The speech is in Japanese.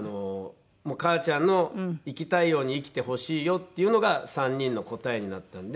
母ちゃんの生きたいように生きてほしいよっていうのが３人の答えになったんで。